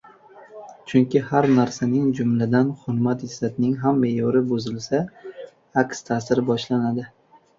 Chunki, har narsaning, jumladan, hurmat-izzatning ham me’yori buzilsa, aks ta’sir boshlanadi.